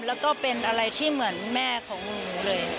แล้วก็เป็นอะไรที่เหมือนแม่ของหนูเลย